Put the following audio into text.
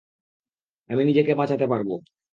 আমি নিজেকে বাঁচাতে পারবো।